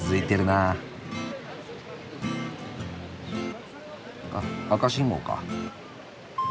あっ赤信号か。